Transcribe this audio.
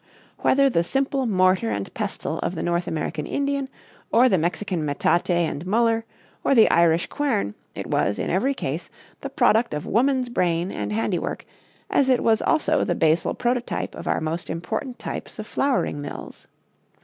Whether the simple mortar and pestle of the North American Indian, or the Mexican metate and muller, or the Irish quern, it was, in every case, the product of woman's brain and handiwork, as it was also the basal prototype of our most improved types of flouring mills.